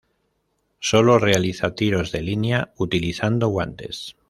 Sólo realiza tiros de línea utilizando guantes.